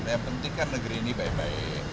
yang penting kan negeri ini baik baik